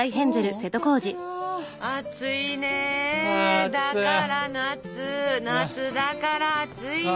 暑いねだから夏夏だから暑い。